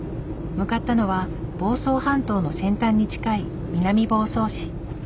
向かったのは房総半島の先端に近い南房総市。